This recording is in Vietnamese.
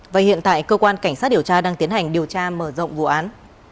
và hiện tại cơ quan cảnh sát điều tra đang tiến hành điều tra mở rộng vụ án